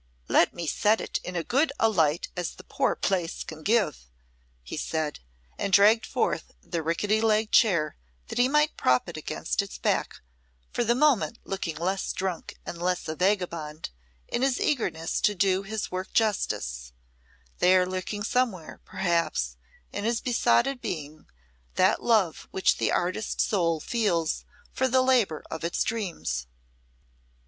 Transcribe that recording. "Let me set it in as good a light as the poor place can give," he said, and dragged forth the rickety legged chair that he might prop it against its back, for the moment looking less drunk and less a vagabond in his eagerness to do his work justice; there lurking somewhere, perhaps, in his besotted being, that love which the artist soul feels for the labour of its dreams.